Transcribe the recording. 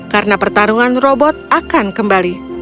karena pertarungan robot akan kembali